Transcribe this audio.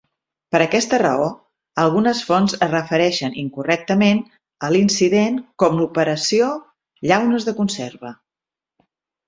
Per aquesta raó, algunes fonts es refereixen incorrectament a l'incident com l'operació "llaunes de conserva".